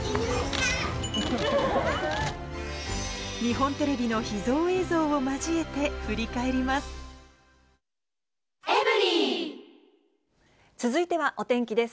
日本テレビの秘蔵映像を交え続いてはお天気です。